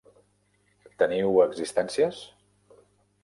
Teniu existències?